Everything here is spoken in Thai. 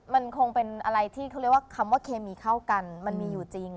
มันคงเป็นอะไรที่เขาเรียกว่าคำว่าเคมีเข้ากันมันมีอยู่จริง